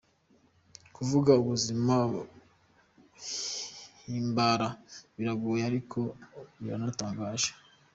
Kuvuga ubuzima bwa Himbara biragoye ariko biranatangaje.